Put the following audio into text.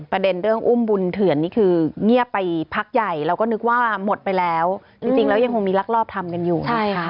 ประเด็นเรื่องอุ้มบุญเถื่อนนี่คือเงียบไปพักใหญ่เราก็นึกว่าหมดไปแล้วจริงแล้วยังคงมีลักลอบทำกันอยู่นะคะ